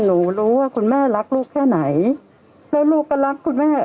หนูรู้ว่าคุณแม่รักลูกแค่ไหนแล้วลูกก็รักคุณแม่